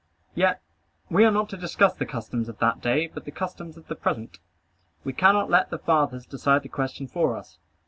Yet we are not to discuss the customs of that day, but the customs of the present. We cannot let the fathers decide the question for us.